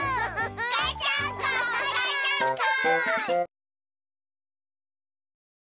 ガチャンコガチャンコ！